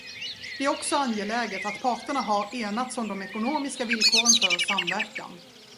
Det är också angeläget att parterna har enats om de ekonomiska villkoren för samverkan.